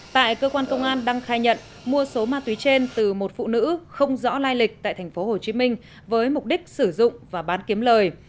tại cơ quan công an đăng khai nhận mua số ma túy trên từ một phụ nữ không rõ lai lịch tại tp hcm với mục đích sử dụng và bán kiếm lời